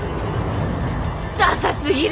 ダサ過ぎる！